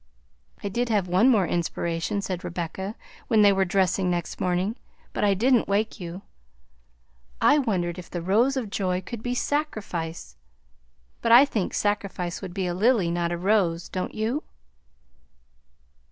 "I did have one more inspiration," said Rebecca when they were dressing next morning, "but I didn't wake you. I wondered if the rose of joy could be sacrifice? But I think sacrifice would be a lily, not a rose; don't you?"